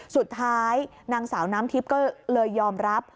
สุดท้ายนางสาวน้ำทิพย์ก็เลยยอมรับ